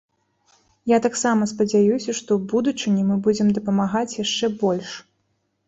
Я таксама спадзяюся, што ў будучыні мы будзем дапамагаць яшчэ больш.